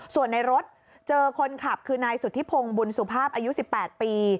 ส่วนในรถเจอคนขับคือนายสุธิพงศ์บุญสุภาพอายุ๑๘ปี